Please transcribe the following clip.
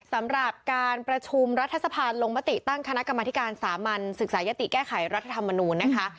สำหรับการประชุมรัฐสภาลงมติตั้งคณะกรรมธิการสามัญศึกษายติแก้ไขรัฐธรรมนูญนะคะ